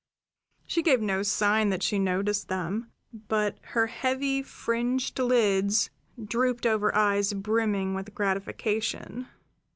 She gave no sign that she noticed them; but her heavy, fringed lids drooped over eyes brimming with gratification.